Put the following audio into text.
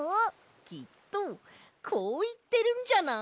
きっとこういってるんじゃない？